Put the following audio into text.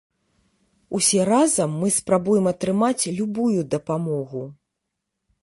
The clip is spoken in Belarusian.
Усе разам мы спрабуем атрымаць любую дапамогу.